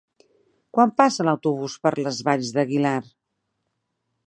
Quan passa l'autobús per les Valls d'Aguilar?